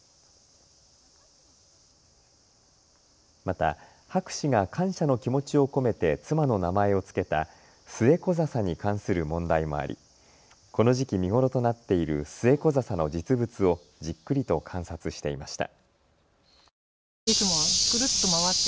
また博士が感謝の気持ちを込めて妻の名前を付けたスエコザサに関する問題もありこの時期、見頃となっているスエコザサの実物をじっくりと観察していました。